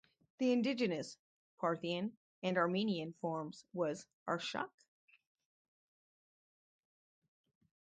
The indigenous Parthian and Armenian form was "Arshak".